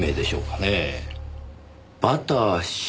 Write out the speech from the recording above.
「バター潮」